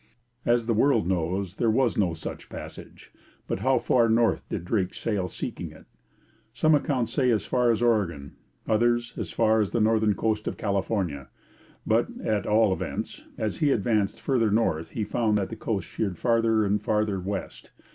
As the world knows, there was no such passage; but how far north did Drake sail seeking it? Some accounts say as far as Oregon; others, as far as the northern coast of California; but, at all events, as he advanced farther north he found that the coast sheered farther and farther west.